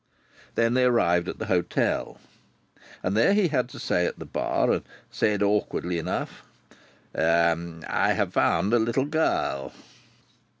Thus they arrived at the hotel. And there he had to say at the bar, and said awkwardly enough: "I have found a little girl!"